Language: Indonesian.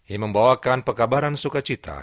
yang membawakan pekabaran sukacita